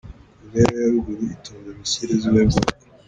Korea ya Ruguru itunze "missiles" z'ubuhe bwoko?.